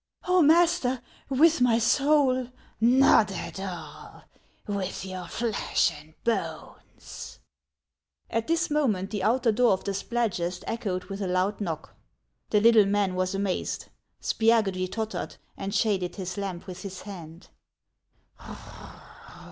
" Oh, master, with my soul !"" Xot at all. With your flesh and bones." At this moment the outer door of the Spladgest echoed with a loud knock. The little man was amazed ; Spia gudry tottered, and shaded his lamp with his hand.